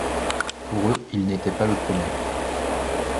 Pour eux, il n'était pas le premier.